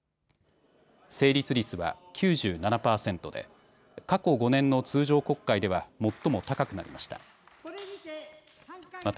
成立率は９７％で過去５年の通常国会では最も高くなりました。